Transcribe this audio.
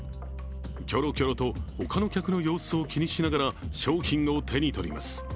キョロキョロと他の客の様子を気にしながら商品を手にとります。